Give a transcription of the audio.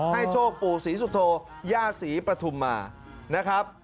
โชคปู่ศรีสุโธย่าศรีปฐุมมานะครับ